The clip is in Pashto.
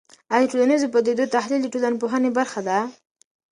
آیا د ټولنیزو پدیدو تحلیل د ټولنپوهنې برخه ده؟